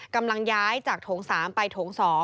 กำลังย้ายจากโถง๓ไปโถง๒